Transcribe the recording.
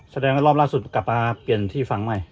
แสดงว่ารอบล่าสุดกลับมาเปลี่ยนที่ฝังใหม่